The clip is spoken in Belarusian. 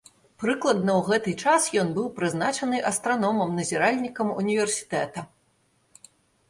Прыкладна ў гэты час ён быў прызначаны астраномам-назіральнікам універсітэта.